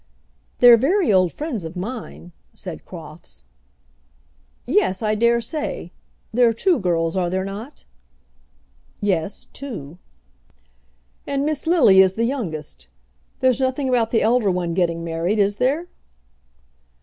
"They're very old friends of mine," said Crofts. "Yes, I daresay. There are two girls, are there not?" "Yes, two." "And Miss Lily is the youngest. There's nothing about the elder one getting married, is there?"